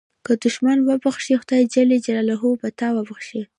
که دوښمن وبخښې، خدای جل جلاله به تا وبخښي.